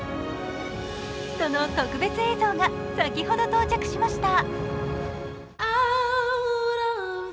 その特別映像が先ほど到着しました。